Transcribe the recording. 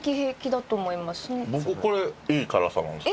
僕これいい辛さなんですよ。